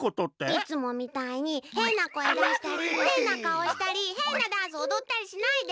いつもみたいにへんなこえだしたりへんなかおしたりへんなダンスおどったりしないで。